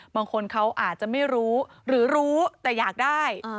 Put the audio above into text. บางคนเขาอาจจะไม่รู้หรือรู้แต่อยากได้